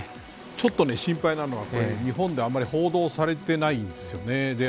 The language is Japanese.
ちょっと心配なのは日本であまり報道されていないんですよね。